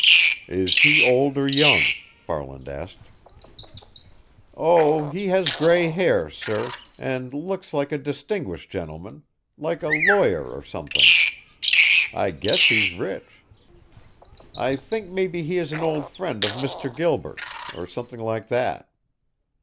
"Is he old or young?" Farland asked. "Oh, he has gray hair, sir, and looks like a distinguished gentleman, like a lawyer or something. I guess he's rich. I think maybe he is an old friend of Mr. Gilbert's, or something like that."